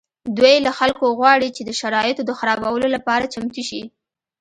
دوی له خلکو غواړي چې د شرایطو د خرابولو لپاره چمتو شي